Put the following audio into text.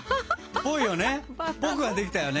ぽいよね。